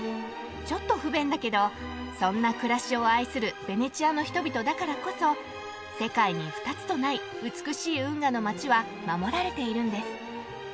ちょっと不便だけどそんな暮らしを愛するベネチアの人々だからこそ世界に２つとない美しい運河の街は守られているんです。